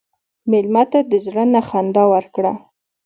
مېلمه ته د زړه نه خندا ورکړه.